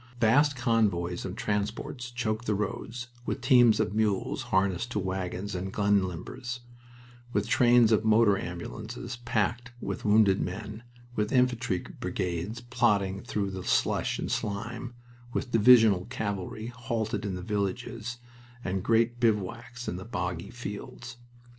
Vast convoys of transports choked the roads, with teams of mules harnessed to wagons and gun limbers, with trains of motor ambulances packed with wounded men, with infantry brigades plodding through the slush and slime, with divisional cavalry halted in the villages, and great bivouacs in the boggy fields.